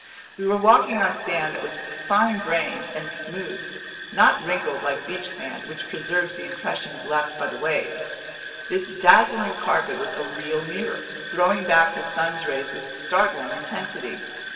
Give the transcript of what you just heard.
We were walking on sand that was fine grained and smooth, not wrinkled like beach sand, which preserves the impressions left by the waves. This dazzling carpet was a real mirror, throwing back the sun's rays with startling intensity.